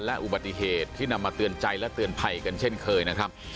และอุบัติเหตุที่นำมาเตือนใจและเตือนภัยกันเช่นเคยนะครับ